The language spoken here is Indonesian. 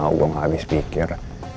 gak tau gue gak habis pikir